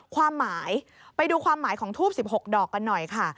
ความหมายไปดูความหมายของทูบ๑๖ดอกกันหน่อยค่ะ